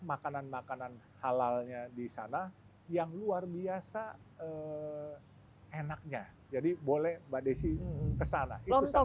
makanan makanan halalnya di sana yang luar biasa enaknya jadi boleh mbak desi kesana itu sangat